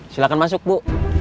silahkan masuk bu